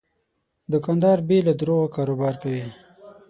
دوکاندار بې له دروغو کاروبار کوي.